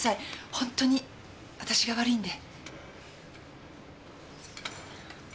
ホントにわたしが悪いんで。